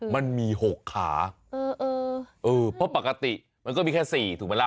มันมี๖ขาเออเพราะปกติมันก็มีแค่๔ถูกไหมล่ะ